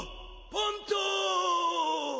パンタ！